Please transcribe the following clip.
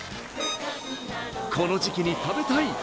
この時期に食べたい！